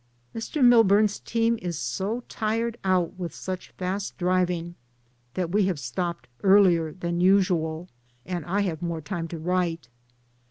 Mr. Milburn's team is so tired out with such fast driving that we have stopped earlier than usual, and I have had more time to write.